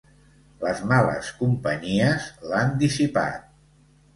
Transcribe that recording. Les males companyies l'han dissipat.